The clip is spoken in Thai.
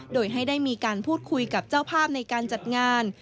โดยให้ได้มีการพูดคุยกับเจ้าภาพในการจัดงาน